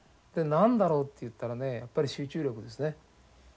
で何だろうっていったらねやっぱり集中力ですね。